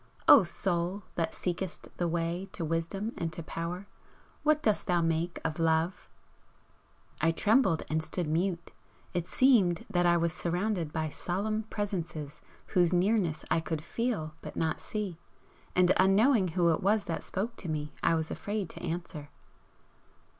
O Soul that seekest the way to wisdom and to power, what dost thou make of Love?" I trembled and stood mute. It seemed that I was surrounded by solemn Presences whose nearness I could feel but not see, and unknowing who it was that spoke to me, I was afraid to answer.